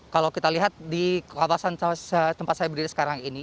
kalau kita lihat di kawasan tempat saya berdiri sekarang ini